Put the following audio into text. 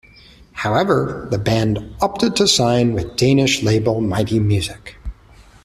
However, the band opted to sign with Danish Label Mighty Music.